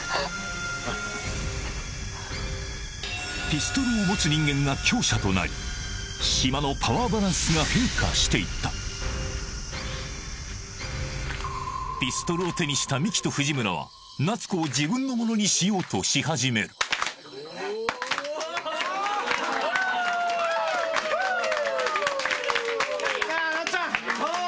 ピストルを持つ人間が強者となり島のパワーバランスが変化していったピストルを手にした三木と藤村は夏子を自分のものにしようとし始めるおおー！